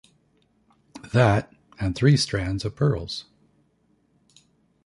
That, and three strands of pearls!